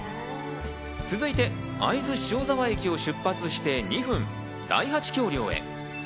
続いて会津塩沢駅を出発して２分、第八橋梁へ。